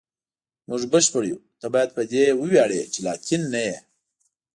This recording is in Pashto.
موږ بشپړ یو، ته باید په دې وویاړې چې لاتین نه یې.